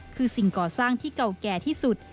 คือสิ่งก่อสร้างที่เก่าแก่ที่สุด